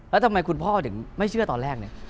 แล้วทำไมคุณพ่อถึงไม่เชื่อตอนแรกเนี่ย